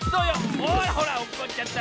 ほらほらおっこっちゃった。